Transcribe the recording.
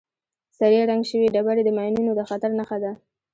سرې رنګ شوې ډبرې د ماینونو د خطر نښه ده.